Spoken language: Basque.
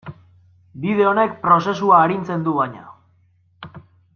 Bide honek prozesua arintzen du, baina.